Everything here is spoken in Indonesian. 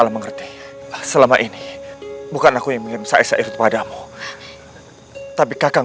mengerti selama ini bukan aku yang minta syair padamu tapi kakang